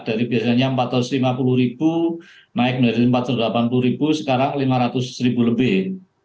dari biasanya empat ratus lima puluh ribu naik menjadi rp empat ratus delapan puluh sekarang lima ratus ribu lebih